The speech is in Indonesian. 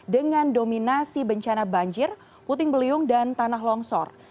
dengan dominasi bencana banjir puting beliung dan tanah longsor